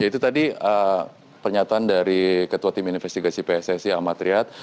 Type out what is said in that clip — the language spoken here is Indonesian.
ya itu tadi pernyataan dari ketua tim investigasi pssi ahmad riyad